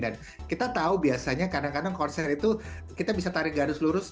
dan kita tahu biasanya kadang kadang konser itu kita bisa tarik garis lurus